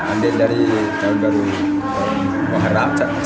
ambil dari tahun baru